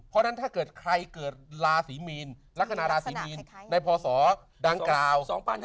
เพราะฉะนั้นถ้าเกิดใครเกิดราศีมีนลักษณะราศีมีนในพศดังกล่าว๒๕๕๙